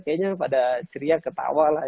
kayaknya pada ceria ketawa lah